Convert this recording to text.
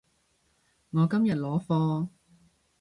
我今日攞貨